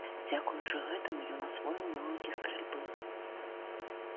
Дзякуючаму гэтаму ён асвоіў навыкі стральбы.